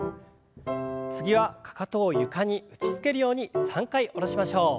次はかかとを床に打ちつけるように３回下ろしましょう。